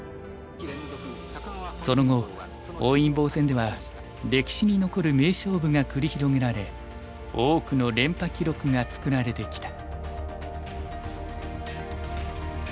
その後本因坊戦では歴史に残る名勝負が繰り広げられ多くの連覇記録が作られてきた。